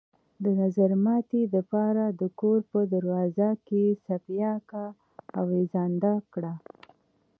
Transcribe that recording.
د نظرماتي د پاره د كور په دروازه کښې څپياكه اوېزانده کړه۔